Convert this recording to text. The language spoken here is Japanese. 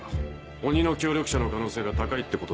鬼の協力者の可能性が高いってことだ。